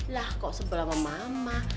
lah kok sebelah sama mama